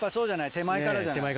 手前からじゃない？